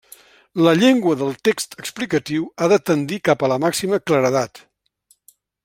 La llengua del text explicatiu ha de tendir cap a la màxima claredat.